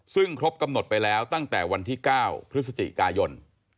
ซึ่งครบกำหนดไปแล้วตั้งแต่วันที่๙พฤศจิกายน